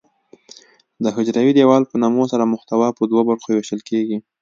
د حجروي دیوال په نمو سره محتوا په دوه برخو ویشل کیږي.